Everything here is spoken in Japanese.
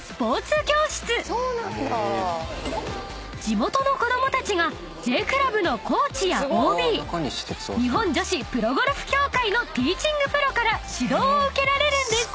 ［地元の子供たちがＪクラブのコーチやＯＢ日本女子プロゴルフ協会のティーチングプロから指導を受けられるんです］